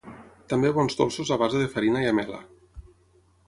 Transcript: També bons dolços a base de farina i ametla.